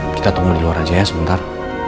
kita tunggu di luar aja ya sebentar